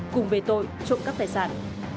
cùng về tội trộm các tài sản